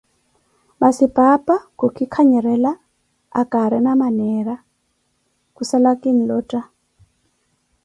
Masi paapa khuki kanyarela, akaarina maneera, kusala kinlotta.